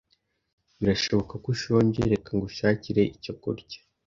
Birashoboka ko ushonje. Reka ngushakire icyo kurya.